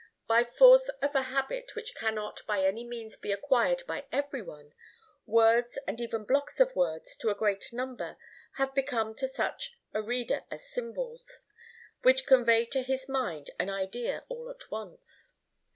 By force of a habit which cannot by any means be acquired by every one, words and even blocks of words to a great number have become to such a reader as symbols, which convey to his mind an idea all at once.